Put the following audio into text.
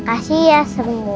makasih ya semua